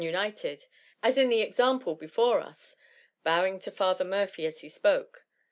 united, as in the example 160 THE MUMMY. before us:^ bowing to Father Murphy as he spoke.